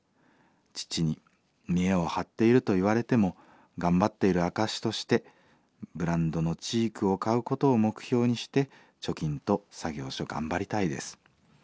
父に見えを張っていると言われても頑張っている証しとしてブランドのチークを買うことを目標にして貯金と作業所頑張りたいです。